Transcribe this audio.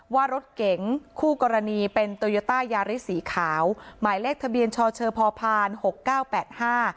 ว่ารถเก๋งคู่กรณีเป็นโตโยต้ายาริสสีขาวหมายเลขทะเบียนชอเชอร์พอพานหกเก้าแปดห้า